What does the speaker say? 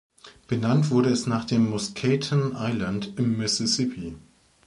Benannt wurde es nach dem Muscatine Island im Mississippi.